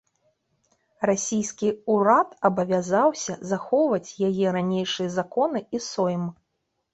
Расійскі ўрад абавязаўся захоўваць яе ранейшыя законы і сойм.